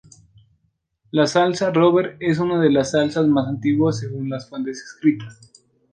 La salsa Robert es una de las salsa más antiguas según las fuentes escritas.